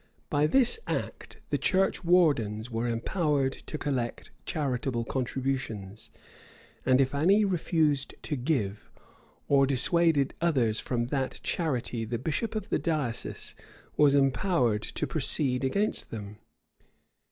By this act the churchwardens were empowered to collect charitable contributions; and if any refused to give, or dissuaded others from that charity the bishop of the diocese was empowered to proceed against them.